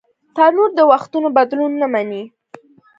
تنور د وختونو بدلون نهمني